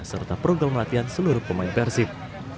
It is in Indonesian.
serta program latihan seluruh pemain persib